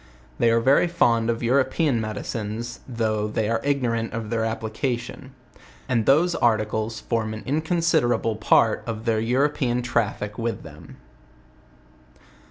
They are very fond of European medicines, though they are ignorant of their ap 118 JOURNAL OF plication: and those articles form an inconsiderable pa r t of the European traffic with them.